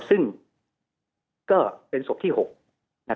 ซึ่งก็เป็นศพที่๖นะครับ